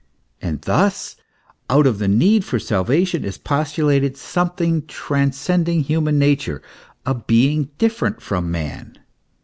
And thus, out of the need for salvation, is postulated something transcending human nature, a being different from man.